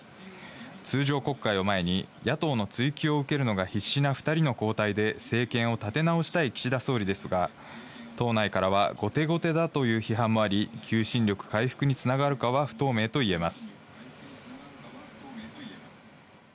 通常国会を前に、野党の追及を受けるのが必至な２人の交代で、政権を立て直したい岸田総理ですが、党内からは後手後手だという批判もあり、求心力回復につながるかは不透明と言えます。